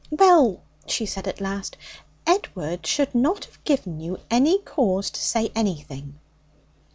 'Well,' she said at last, 'Edward should not have given you any cause to say anything.'